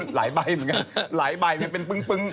หลายใบเหมือนกันหลายใบเป็นปึ้ง